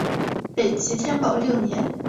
北齐天保六年。